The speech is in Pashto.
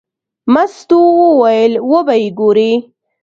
مستو وویل: وبه یې ګورې.